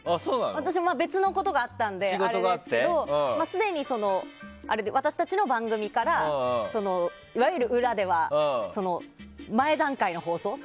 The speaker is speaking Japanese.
私、別のことがあったんですけどすでに私たちの番組からいわゆる裏では前段階の放送